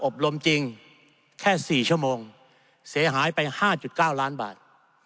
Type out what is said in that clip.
อบรมจริงแค่๔ชั่วโมงเสียหายไป๕๙ล้านบาท